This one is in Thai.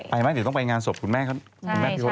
ไปไหมถึงต้องไปงานศพคุณแม่พี่พจน์หน่อย